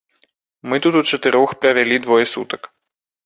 Мы тут учатырох правялі двое сутак.